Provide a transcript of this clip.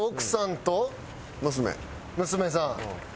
娘さん。